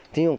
thế nhưng mà